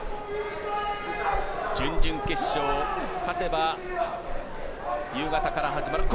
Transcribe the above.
準々決勝、勝てば夕方から始まる。